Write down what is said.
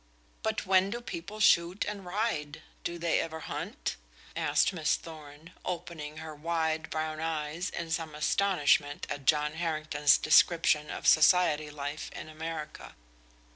"But when do people shoot and ride? do they ever hunt?" asked Miss Thorn, opening her wide brown eyes in some astonishment at John Harrington's description of society life in America.